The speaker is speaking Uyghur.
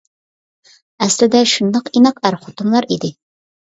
ئەسلىدە شۇنداق ئىناق ئەر خوتۇنلار ئىدى.